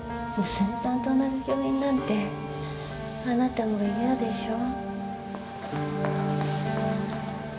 娘さんと同じ病院なんてあなたも嫌でしょ？